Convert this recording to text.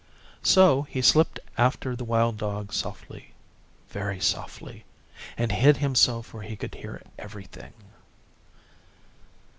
So he slipped after Wild Dog softly, very softly, and hid himself where he could hear everything.